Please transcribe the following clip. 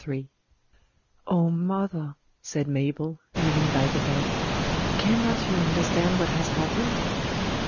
III "Oh, mother," said Mabel, kneeling by the bed; "cannot you understand what has happened?"